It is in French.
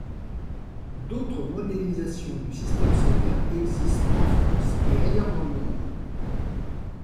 D'autres modélisations du Système solaire existent en France et ailleurs dans le monde.